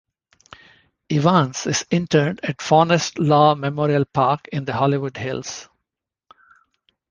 Evans is interred at Forest Lawn Memorial Park in the Hollywood Hills.